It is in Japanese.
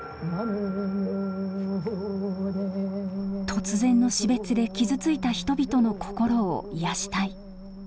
突然の死別で傷ついた人々の心を癒やしたい。